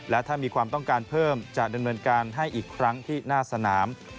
และถ้ามีความต้องการเพิ่มจะดำเนินการให้อีกครั้งที่หน้าสนาม